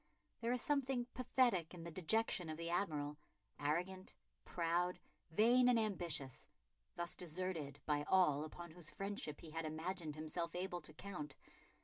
There is something pathetic in the dejection of the Admiral, arrogant, proud, vain and ambitious, thus deserted by all upon whose friendship he had imagined himself able to count.